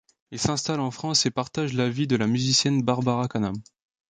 Il s'installe en France et partage la vie de la musicienne Barbara Kanam.